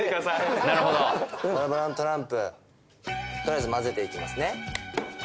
なるほどとりあえず交ぜていきますね